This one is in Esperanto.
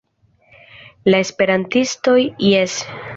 La esperantistoj jes.